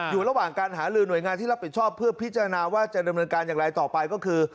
อยู่ระหว่างการหาลือหน่วยงานที่รับผิดชอบเพื่อพิจารณาว่าจะดำเนินการอย่างไรต่อไปก็คือ